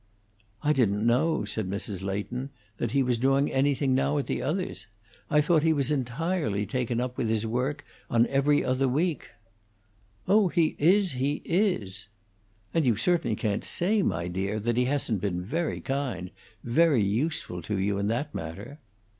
"I didn't know," said Mrs. Leighton, "that he was doing anything now at the others. I thought he was entirely taken up with his work on 'Every Other Week.'" "Oh, he is! he is!" "And you certainly can't say, my dear, that he hasn't been very kind very useful to you, in that matter."